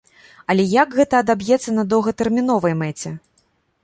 Але як гэта адаб'ецца на доўгатэрміновай мэце?